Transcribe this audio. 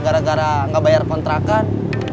gara gara nggak bayar kontrakan